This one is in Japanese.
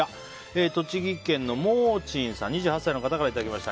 栃木県の２８歳の方からいただきました。